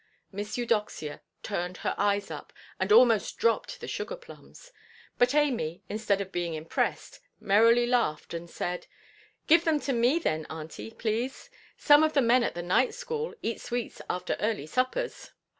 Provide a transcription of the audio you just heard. Miss Eudoxia turned her eyes up, and almost dropped the sugar–plums. But Amy, instead of being impressed, merrily laughed, and said, "Give them to me, then, auntie, please. Some of the men at the night–school eat sweets after early suppers."